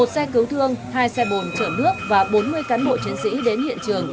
một xe cứu thương hai xe bồn chở nước và bốn mươi cán bộ chiến sĩ đến hiện trường